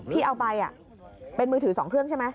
ที่เอาไปเป็นมือถือ๒เครื่องใช่ไหม